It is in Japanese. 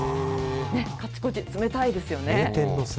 かちこち、冷たいですよね。